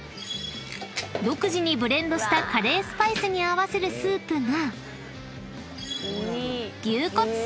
［独自にブレンドしたカレースパイスに合わせるスープが］